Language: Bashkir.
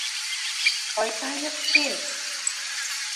— Ҡайтайыҡ, тим!